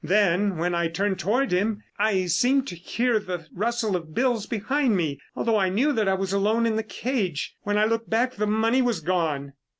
Then when I turned toward him, I seemed to hear the rustle of bills behind me, although I knew that I was alone in the cage. When I looked back the money was gone."